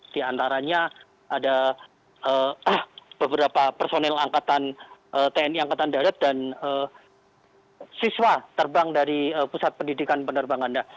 di antaranya ada beberapa personil tni angkatan darat dan siswa terbang dari pusat pendidikan penerbangan